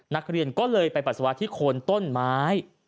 นักเรียนก็เลยไปปัสสาวะที่โคนต้นไม้